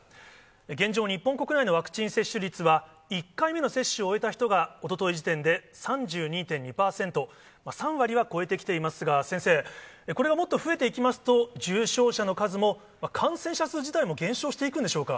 現状、日本国内のワクチン接種率は、１回目の接種を終えた人がおととい時点で３２．２％、３割は超えてきていますが先生、これがもっと増えていきますと、重症者の数も、感染者数自体も減少していくんでしょうか。